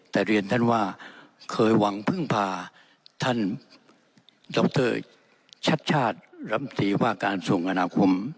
แต่เรียนท่านว่าเคยหวังพึ่งพาท่านดรชัดชาติรำตีว่าการส่งอนาคม